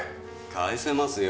返せますよ